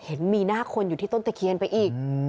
เห็นมีหน้าคนอยู่ที่ต้นตะเคียนไปอีก